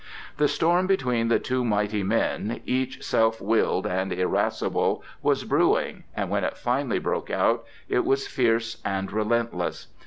The storm between the two mighty men, each self willed and irascible, was brewing, and when it finally broke out, it was fierce and relentless.